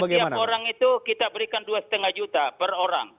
setiap orang itu kita berikan dua lima juta per orang